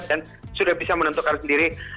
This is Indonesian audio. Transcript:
dan sudah bisa menentukan sendiri